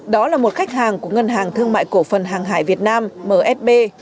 đó là một khách hàng của ngân hàng thương mại cổ phần hàng hải việt nam msb